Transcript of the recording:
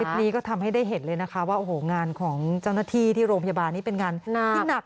นี้ก็ทำให้ได้เห็นเลยนะคะว่าโอ้โหงานของเจ้าหน้าที่ที่โรงพยาบาลนี้เป็นงานที่หนัก